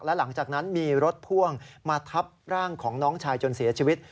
และหลังจากนั้นมีรถพ่วงมาทับร่างของน้องชายจนเสียชีวิต